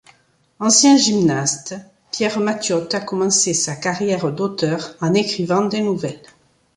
Ancien gymnaste, Pierre Mathiote a commencé sa carrière d'auteur en écrivant des nouvelles.